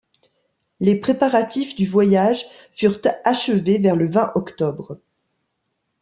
Les préparatifs du voyage furent achevés vers le vingt octobre.